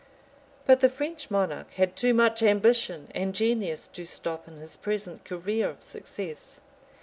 But the French monarch had too much ambition and genius to stop in his present career of success.